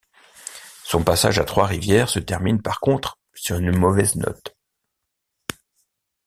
Son passage à Trois-Rivières se termine par contre sur une mauvaise note.